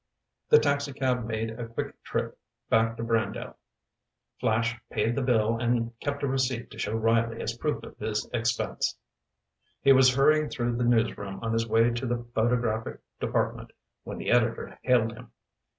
The taxicab made a quick trip back to Brandale. Flash paid the bill and kept a receipt to show Riley as proof of his expense. He was hurrying through the news room on his way to the photographic department when the editor hailed him.